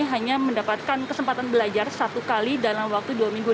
hanya mendapatkan kesempatan belajar satu kali dalam waktu dua minggu